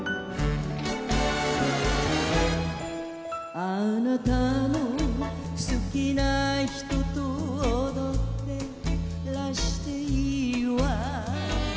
「あなたの好きな人と踊ってらしていいわ」